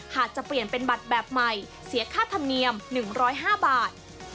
หากจะเปลี่ยนเป็นบัตรแบบใหม่เสียค่าธรรมเนียม๑๐๕บาท